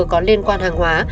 có liên quan hàng hóa